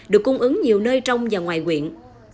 được cung ứng nhiều nơi trong và ngoài quyện